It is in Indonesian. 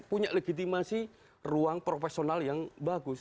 punya legitimasi ruang profesional yang bagus